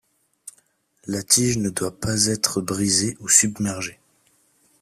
La tige ne doit pas être brisée ou submergée.